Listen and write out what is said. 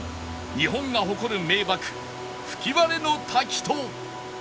日本が誇る名瀑吹割の滝と